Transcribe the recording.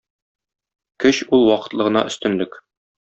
Көч – ул вакытлы гына өстенлек.